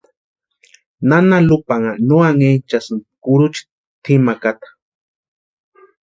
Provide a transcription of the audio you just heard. Nana Lupanha no anhinchasïni kurucha tʼimakata.